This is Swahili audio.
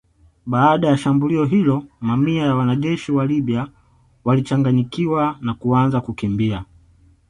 Baada ya shambulio hilo mamia ya wanajeshi wa Libya walichanganyikiwa na kuanza kukimbia